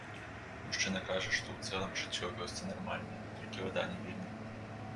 Мужчына кажа, што ў цэлым, жыццё у вёсцы нармальнае, толькі вада не вельмі.